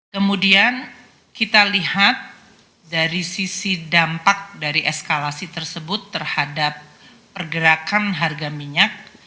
kemudian kita lihat dari sisi dampak dari eskalasi tersebut terhadap pergerakan harga minyak